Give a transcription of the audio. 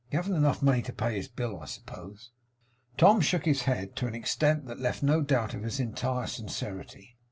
You haven't enough money to pay this bill, I suppose?' Tom shook his head to an extent that left no doubt of his entire sincerity.